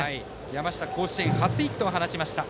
山下、甲子園初ヒットを放ちました。